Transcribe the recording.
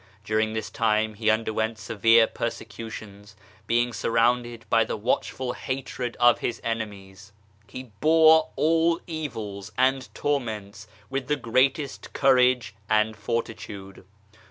During this time he underwent severe persecutions, being surrounded by the watchful hatred of his enemies. He bore all evils and torments with the greatest courage and fortitude.